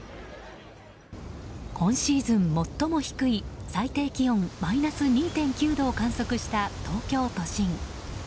今シーズン最も低い最低気温マイナス２．９度を観測した東京都心。